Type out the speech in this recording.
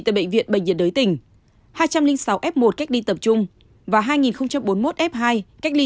tại bệnh viện bệnh nhiệt đới tỉnh hai trăm linh sáu f một cách đi tập trung và hai bốn mươi một f hai cách ly